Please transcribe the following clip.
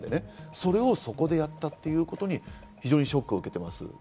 それをそこでやったということに非常にショックを受けています。